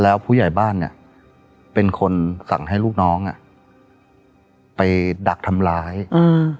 แล้วผู้ใหญ่บ้านเนี้ยเป็นคนสั่งให้ลูกน้องอ่ะไปดักทำร้ายอืม